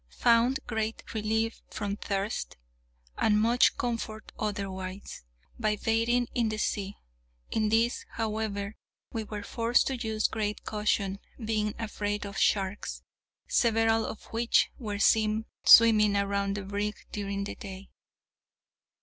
Found great relief from thirst, and much comfort otherwise, by bathing in the sea; in this, however, we were forced to use great caution, being afraid of sharks, several of which were seen swimming around the brig during the day.